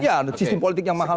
ya sistem politik yang mahal